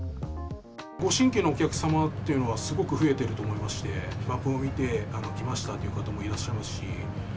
ご新規のお客様っていうのはすごく増えていると思いまして、マップを見て来ましたという方もいらっしゃいますし。